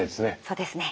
そうですね。